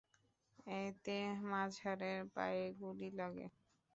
এতে মাজহারের পায়ে গুলি লাগে।